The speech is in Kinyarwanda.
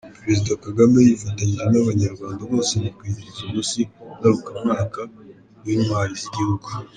Perezida Kagame yifatanyije n’Abanyarwanda bose mu kwizihiza umunsi ngarukamwaka w’Intwari z’igihugu.